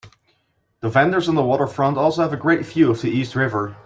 The vendors on the waterfront also have a great view of the East River.